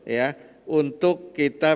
ya untuk kita